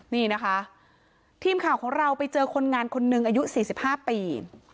นี่นะคะทีมข่าวของเราไปเจอคนงานคนหนึ่งอายุ๔๕ปี